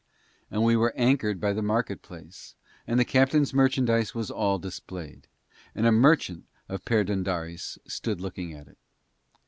And we were anchored by the marketplace, and the captain's merchandise was all displayed, and a merchant of Perdóndaris stood looking at it.